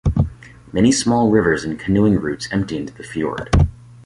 Many small rivers and canoeing routes empty into the fjord.